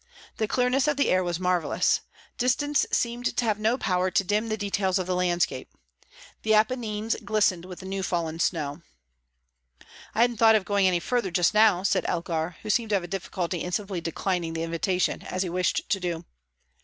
The clearness of the air was marvellous. Distance seemed to have no power to dim the details of the landscape. The Apennines glistened with new fallen snow. "I hadn't thought of going any further just now," said Elgar, who seemed to have a difficulty in simply declining the invitation, as he wished to do.